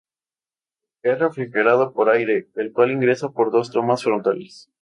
Es refrigerado por aire, el cual ingresa por dos tomas frontales.